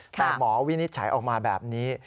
แต่หมอวินิจฉัยออกมาแบบนี้